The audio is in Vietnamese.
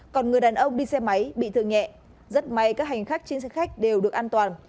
còn người đàn ông đi xe máy bị thương nhẹ rất may các hành khách trên xe khách đều được an toàn